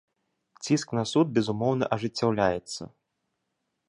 Ціск на суд, безумоўна, ажыццяўляецца.